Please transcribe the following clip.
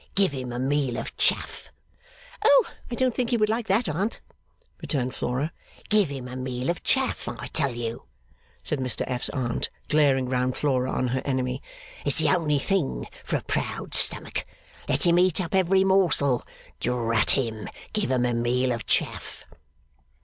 'Give him a meal of chaff!' 'Oh! I don't think he would like that, aunt,' returned Flora. 'Give him a meal of chaff, I tell you,' said Mr F.'s Aunt, glaring round Flora on her enemy. 'It's the only thing for a proud stomach. Let him eat up every morsel. Drat him, give him a meal of chaff!